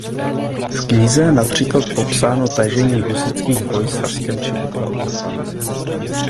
V knize je například popsáno tažení husitských vojsk Saskem či bitva u Lipan.